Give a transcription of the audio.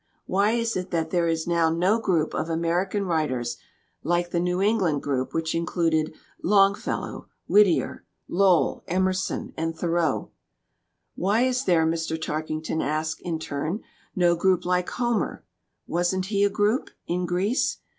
Why is it that there is now no group of American writers like the New England group which included Longfellow, Whit tier, Lowell, Emerson, and Thoreau?" "Why is there," Mr. Tarkington asked in turn, "no group like Homer (wasn't he a group?) in Greece?